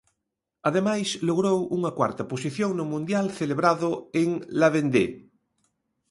Ademais logrou unha cuarta posición no Mundial celebrado en La Vendée.